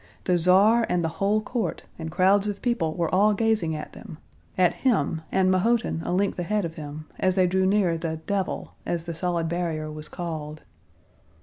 The Tsar and the whole court and crowds of people were all gazing at them—at him, and Mahotin a length ahead of him, as they drew near the "devil," as the solid barrier was called.